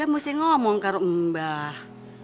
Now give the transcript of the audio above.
ajeong pengalaman di rumah